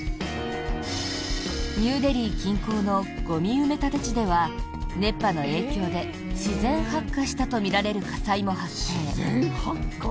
ニューデリー近郊のゴミ埋め立て地では熱波の影響で、自然発火したとみられる火災も発生。